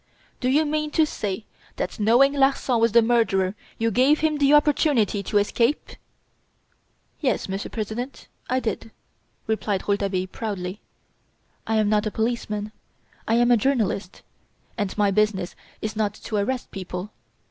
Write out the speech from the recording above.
"Do you mean to say that knowing Larsan was the murderer you gave him the opportunity to escape?" "Yes, Monsieur President, I did," replied Rouletabille, proudly. "I am not a policeman, I am a journalist; and my business is not to arrest people.